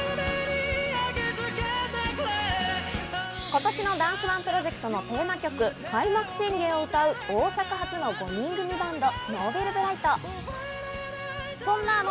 今年のダンスＯＮＥプロジェクトのテーマ曲『開幕宣言』歌う、大阪発の５人組バンド・Ｎｏｖｅｌｂｒｉｇｈｔ。